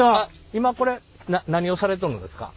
今これ何をされとるんですか？